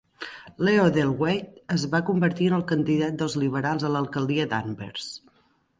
Leo Delwaide es va convertir en el candidat dels liberals a l'alcaldia d'Anvers.